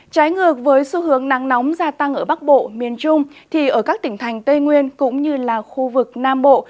trái ngược với xu hướng nắng nóng gia tăng ở bắc bộ miền trung thì ở các tỉnh thành tây nguyên cũng như là khu vực nam bộ